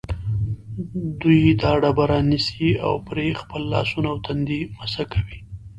دوی دا ډبره نیسي او پرې خپل لاسونه او تندی مسح کوي.